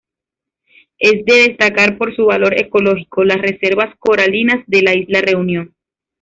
Es de destacar por su valor ecológico, las reservas coralinas de la Isla Reunión.